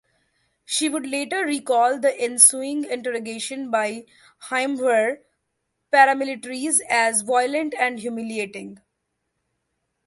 She would later recall the ensuing interrogation by "Heimwehr" paramilitaries as "violent and humiliating".